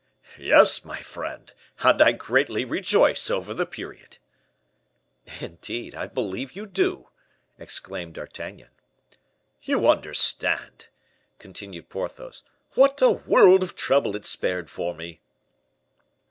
"Yes, my friend; and I greatly rejoice over the period." "Indeed, I believe you do," exclaimed D'Artagnan. "You understand," continued Porthos, "what a world of trouble it spared for me."